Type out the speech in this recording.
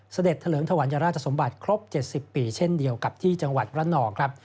เสด็งถวัญราชสมบัติครบ๗๐ปีเช่นเดียวกับที่จังหวัดระนองครับ